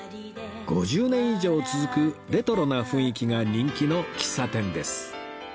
５０年以上続くレトロな雰囲気が人気の喫茶店です